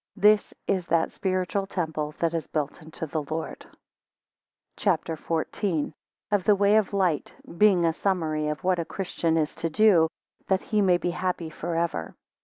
24 This is that spiritual temple that is built unto the Lord. CHAPTER XIV. Of the way of light; being a summary of what a Christian is to do, that he maybe happy for ever.